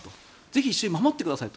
ぜひ一緒に守ってください